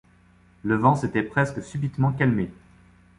Le vent s’était presque subitement calmé.